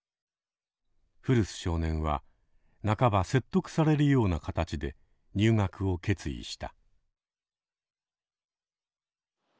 古巣少年は半ば説得されるような形で入学を決意した。